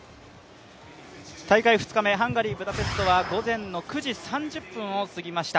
大会２日目ハンガリー・ブダペストは午前９時３０分を過ぎました。